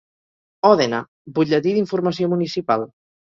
Òdena, Butlletí d'Informació Municipal.